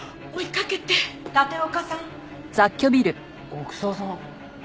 奥沢さん。